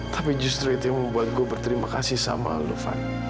tapi justru itu yang membuat gue berterima kasih sama aldo van